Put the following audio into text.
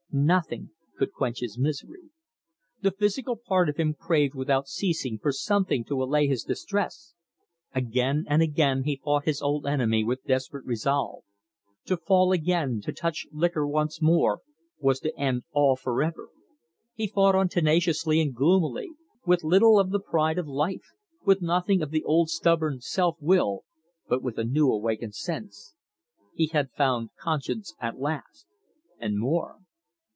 Nothing could quench his misery. The physical part of him craved without ceasing for something to allay his distress. Again and again he fought his old enemy with desperate resolve. To fall again, to touch liquor once more, was to end all for ever. He fought on tenaciously and gloomily, with little of the pride of life, with nothing of the old stubborn self will, but with a new awakened sense. He had found conscience at last and more.